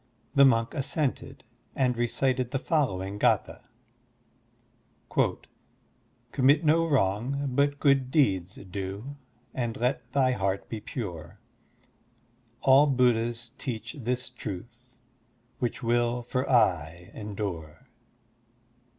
The monk assented and recited the following gdtha : "Commit no wrong, but good deeds do, And let thy heart be pure, All Buddhas teach this truth, Which will for aye endure.